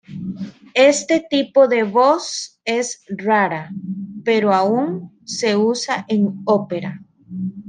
Este tipo de voz es rara, pero aún se usa en opera.